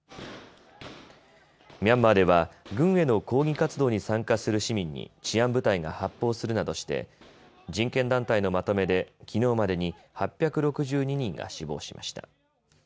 ミャンマーでは軍への抗議活動に参加する市民に治安部隊が発砲するなどして人権団体のまとめできのうまでに８６２人が死亡しました。